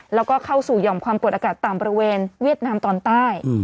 แล้วก็เข้าสู่หย่อมความกดอากาศต่ำบริเวณเวียดนามตอนใต้